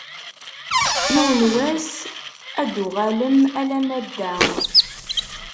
Yiwen n wass ad d-tuɣalem alamma d da.